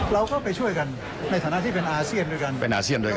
เราก็ไปช่วยกันในฐานะที่เป็นอาเซียนด้วยกันเป็นอาเซียนด้วยกัน